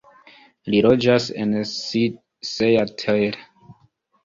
Li loĝas en Seattle.